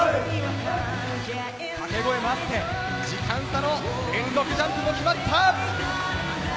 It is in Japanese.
掛け声もあって、時間差の連続ジャンプも決まった！